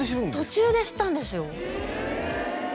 途中で知ったんですよええ